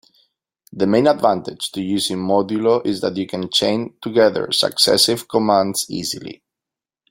The main advantage to using modulo is that you can chain together successive commands easily.